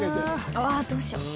あどうしよう。